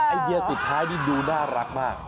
ไอเดียสุดท้ายนี่ดูน่ารักมาก